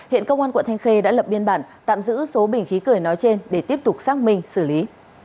hiện công an quận thanh khê đã lập biên bản tạm giữ số bình khí cười nói trên để tiếp tục xác minh xử lý